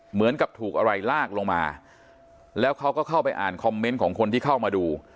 เหมือนกับถูกอะไรลากลงมาแล้วเขาก็เข้าไปอ่านคอมเมนต์ของคนที่เข้ามาดู